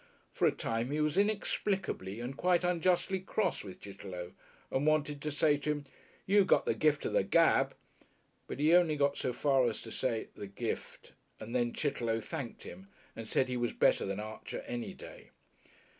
For a time he was inexplicably and quite unjustly cross with Chitterlow and wanted to say to him, "you got the gift of the gab," but he only got so far as to say "the gift," and then Chitterlow thanked him and said he was better than Archer any day.